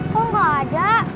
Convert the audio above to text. kok gak ada